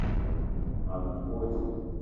Mag me te pe wa ding.